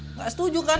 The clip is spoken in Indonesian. enggak setuju kan